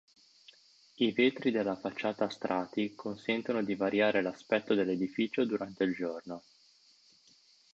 I vetri della facciata a strati consentono di variare l'aspetto dell'edificio durante il giorno.